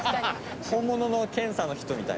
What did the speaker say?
本物の検査の人みたい。